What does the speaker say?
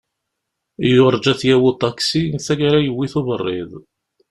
Yurǧa ad t-yawi uṭaksi, taggara yewwi-t uberriḍ.